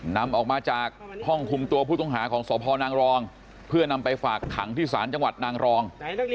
นำออกมาจากห้องคุมตัวผู้ต้องหาของสพนางรองเพื่อนำไปฝากขังที่ศาลจังหวัดนางรอง